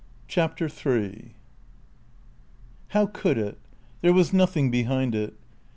CHAPTER THREE How could it? There was nothing behind it.